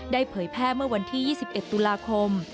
เผยแพร่เมื่อวันที่๒๑ตุลาคม